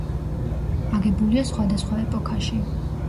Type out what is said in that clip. აგებულია სხვადასხვა ეპოქაში.